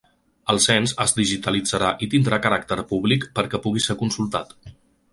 El cens es digitalitzarà i tindrà caràcter públic perquè pugui ser consultat.